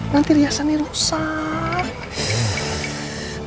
nanti riasan ini rusak